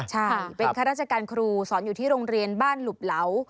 ใช่เป็นข้าราชการครูสอนอยู่ที่โรงเรียนบ้านหลุบเหลา